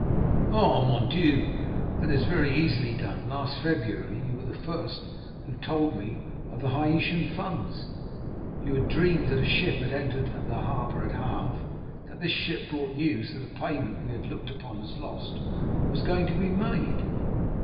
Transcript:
"Oh, mon Dieu! that is very easily done. Last February you were the first who told me of the Haitian funds. You had dreamed that a ship had entered the harbor at Le Havre, that this ship brought news that a payment we had looked upon as lost was going to be made.